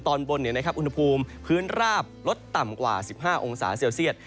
ตอนบนอุณหภูมิพื้นราบลดต่ำกว่า๑๕องศาเซลเซียต